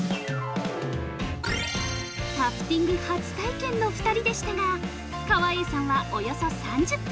タフティング初体験の２人でしたが川栄さんは、およそ３０分。